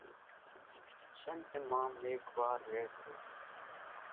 شنجھ مان ميگھوار ريئيَ سي۔